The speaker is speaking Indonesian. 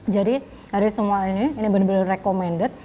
jadi dari semua ini ini benar benar recommended